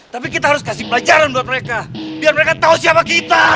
tapi kita harus kasih pelajaran buat mereka biar mereka tahu siapa kita